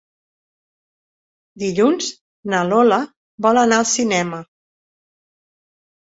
Dilluns na Lola vol anar al cinema.